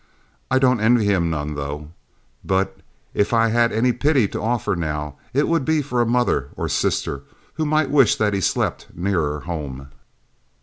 I don't envy him none, though; but if I had any pity to offer now, it would be for a mother or sister who might wish that he slept nearer home."